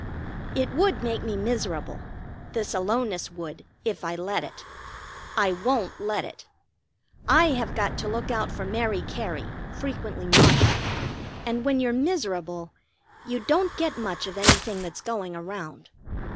It would make me miserable this aloneness would, if I let it. I won't let it. I have got to look out for Mary Cary, frequently Martha, and when you're miserable you don't get much of anything that's going around.